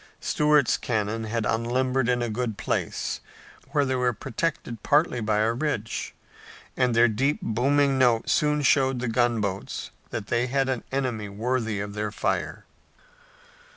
Stuart's cannon had unlimbered in a good place, where they were protected partly by a ridge, and their deep booming note soon showed the gunboats that they had an enemy worthy of their fire.